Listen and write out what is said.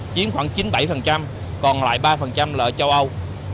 chiếm khoảng chín mươi bảy còn lại ba là châu âu